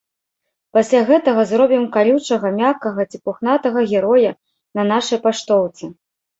Пасля гэтага зробім калючага, мяккага ці пухнатага героя на нашай паштоўцы.